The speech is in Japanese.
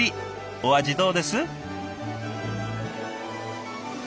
お味どうです？